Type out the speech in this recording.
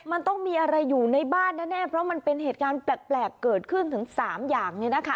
มันต้องมีอะไรอยู่ในบ้านแน่เพราะมันเป็นเหตุการณ์แปลกเกิดขึ้นถึง๓อย่างนี้นะคะ